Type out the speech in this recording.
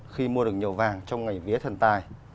khi mua được nhiều vàng trong ngày vía thần tài